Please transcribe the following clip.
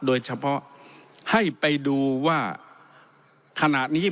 โดยเฉพาะให้ไปดูว่าขณะนี้